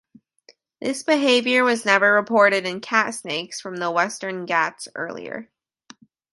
This behavior was never reported in cat snakes from the Western Ghats earlier.